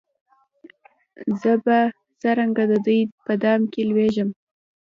زه به څرنګه د دوی په دام کي لوېږم